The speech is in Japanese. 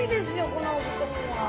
このお布団は。